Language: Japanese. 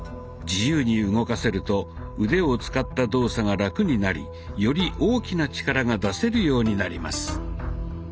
自由に動かせると腕を使った動作がラクになりより大きな力が出せるようになります。